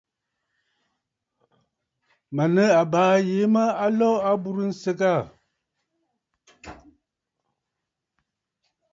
Mə̀ nɨ àbaa yìi mə a lo a aburə nsɨgə aà.